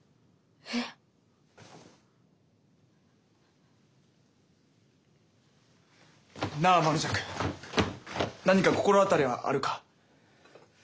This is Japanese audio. えっ？なあ天の邪鬼何か心当たりはあるか？